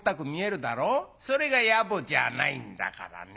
それが野暮じゃないんだからね。